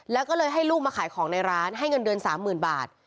แล้วก็เลยให้ลูกมาขายของในร้านให้เงินเดือน๓๐๐๐บาท